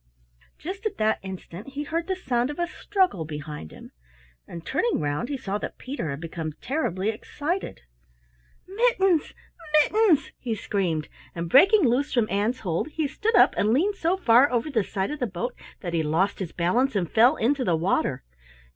Just at that instant he heard the sound of a struggle behind him, and turning round he saw that Peter had become terribly excited. "Mittens! Mittens!" he screamed, and breaking loose from Ann's hold, he stood up and leaned so far over the side of the boat that he lost his balance and fell into the water.